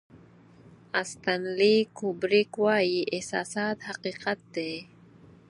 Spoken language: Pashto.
استنلي کوبریک وایي احساسات حقیقت دی.